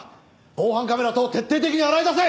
防犯カメラ等徹底的に洗い出せ！